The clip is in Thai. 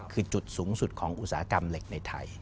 คือจุดสูงสุดของอุตสาหกรรมเหล็กในไทย